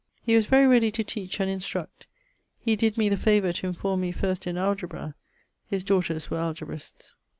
He was very ready to teach and instruct. He did me the favour to informe me first in Algebra. His daughters were Algebrists.